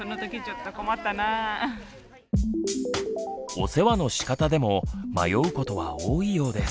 お世話のしかたでも迷うことは多いようです。